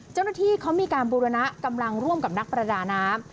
เจ้าหน้าที่เขามีการบูรณะกำลังร่วมกับนักประดาน้ำ